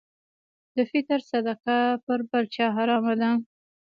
د فطر صدقه پر بل چا حرامه ده.